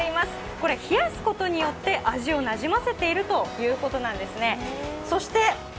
これ、冷やすことによって味をなじませているということなんですね。